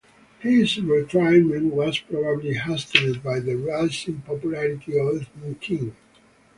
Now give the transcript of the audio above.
His retirement was probably hastened by the rising popularity of Edmund Kean.